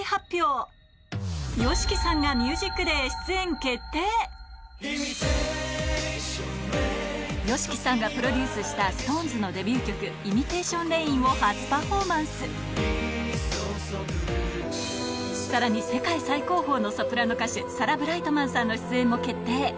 さらにここで重大発表『ＭＵＳＩＣＤＡＹ』ＹＯＳＨＩＫＩさんがプロデュースしたＳｉｘＴＯＮＥＳのデビュー曲を初パフォーマンスさらに世界最高峰のソプラノ歌手サラ・ブライトマンさんの出演も決定